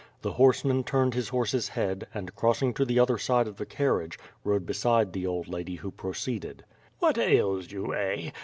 The horseman turned his horse's head and, crossing to the other side of the carriage, rode beside the old lady who proceeded. "What ails you, eh?